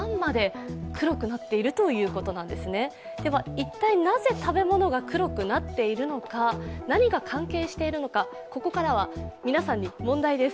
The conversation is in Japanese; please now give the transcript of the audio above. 一体なぜ食べ物が黒くなっているのか、何が関係しているのか、ここからは皆さんに問題です。